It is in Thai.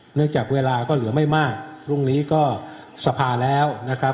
เนื่องจากเวลาก็เหลือไม่มากพรุ่งนี้ก็สภาแล้วนะครับ